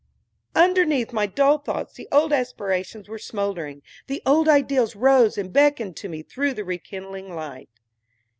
Underneath my dull thoughts the old aspirations were smouldering, the old ideals rose and beckoned to me through the rekindling light.